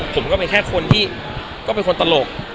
ผมก็เป็นแค่คนที่ก็เป็นคนตลก